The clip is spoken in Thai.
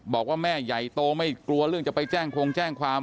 บอกว่าแม่ใหญ่โตไม่กลัวเรื่องจะไปแจ้งคงแจ้งความ